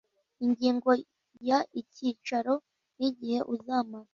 Ingingo ya icyicaro n igihe uzamara